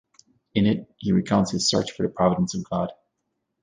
In it, he recounts his search for the providence of God.